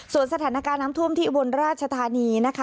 ส่วนสถานการณ์น้ำท่วมที่อุบลราชธานีนะคะ